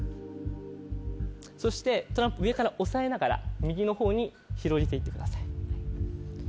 そしてトランプ上から押さえながら右のほうに広げて行ってください。